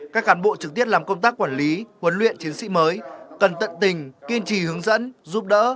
các khán bộ trực tiết làm công tác quản lý huấn luyện chiến sĩ mới cẩn tận tình kiên trì hướng dẫn giúp đỡ